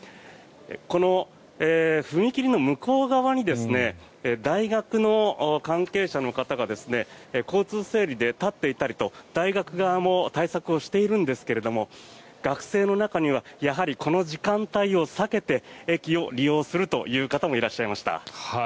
この踏切の向こう側に大学の関係者の方が交通整理で立っていたりと大学側も対策をしているんですが学生の中にはやはりこの時間帯を避けて駅を利用するという方もいらっしゃいました。